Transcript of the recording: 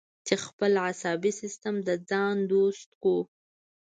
چې خپل عصبي سیستم د ځان دوست کړو.